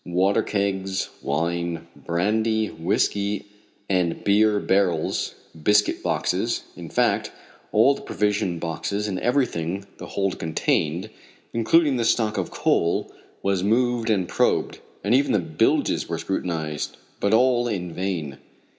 Water kegs, wine, brandy, whisky and beer barrels, biscuit boxes, in fact, all the provision boxes and everything the hold contained, including the stock of coal, was moved and probed, and even the bilges were scrutinized, but all in vain.